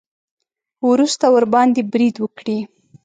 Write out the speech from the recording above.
وروسته ورباندې برید وکړي.